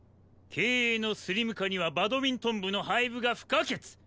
経営のスリム化にはバドミントン部の廃部が不可欠。